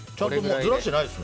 ずらしてないですね。